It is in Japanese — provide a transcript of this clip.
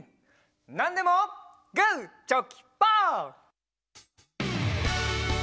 「なんでもグーチョキパー」！